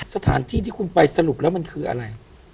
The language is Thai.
สถานที่ที่คุณไปสรุปแล้วมันคืออะไร